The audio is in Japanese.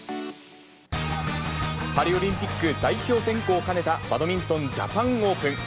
パリオリンピック代表選考を兼ねたバドミントンジャパンオープン。